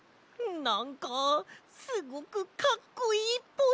なんかすごくかっこいいっぽい！